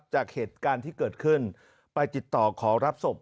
จากเหตุการณ์ที่เกิดขึ้นไปติดต่อขอรับศพ